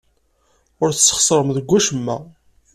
Ur tesxeṣrem deg wacemma.